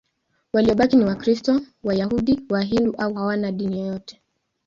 Waliobaki ni Wakristo, Wayahudi, Wahindu au hawana dini yote.